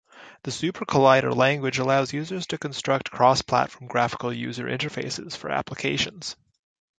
The SuperCollider language allows users to construct cross-platform graphical user interfaces for applications.